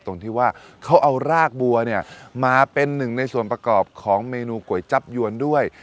ตรงที่ว่าเขาเอารากบัวเนี่ยมาเป็นหนึ่งในส่วนประกอบของเมนูก๋วยจับยวนด้วย